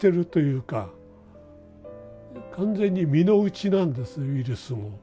完全に身の内なんですウイルスも。